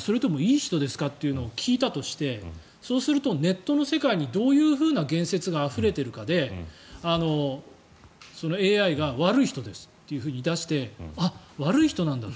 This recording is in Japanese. それともいい人ですかというのを聞いたとしてそうするとネットの世界にどういうふうな言説があふれているかでＡＩが、悪い人ですと出してあ、悪い人なんだと。